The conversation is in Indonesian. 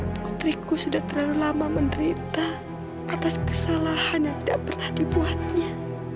putriku sudah terlalu lama menderita atas kesalahan yang tidak pernah dibuatnya